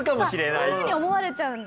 そういうふうに思われちゃうんだ。